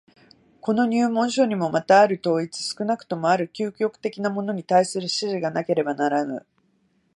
この入門書にもまたある統一、少なくともある究極的なものに対する指示がなければならぬ。